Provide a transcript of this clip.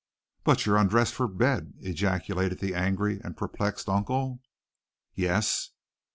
"But you'd undressed for bed!" ejaculated the angry and perplexed uncle. "Yes."